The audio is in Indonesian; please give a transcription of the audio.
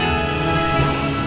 aku mau ke rumah